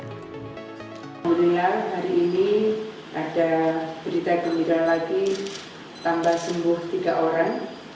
kemudian hari ini ada berita gembira lagi tambah sembuh tiga orang